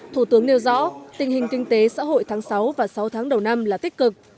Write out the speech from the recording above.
thủ tướng nêu rõ tình hình kinh tế xã hội tháng sáu và sáu tháng đầu năm là tích cực